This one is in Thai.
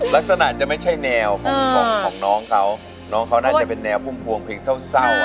ลักษณะจะไม่ใช่แนวของน้องเขาน้องเขาน่าจะเป็นแนวพวงเพลงเศร้าอันไหนมากกว่า